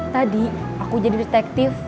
tadi aku jadi detektif